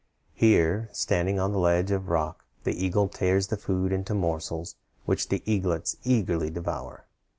Here, standing on the ledge of rock, the eagle tears the food into morsels, which the eaglets eagerly devour.